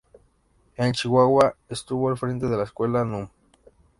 En Chihuahua estuvo al frente de la Escuela núm.